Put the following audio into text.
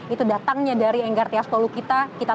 itu datangnya dari enggartia stolokita